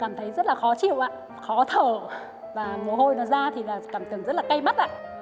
cảm thấy rất là khó chịu ạ khó thở và mồ hôi nó ra thì là cảm tưởng rất là cay mắt ạ